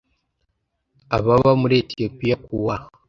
ABABA MURI ETIYOPIYA KU WA